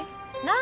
何？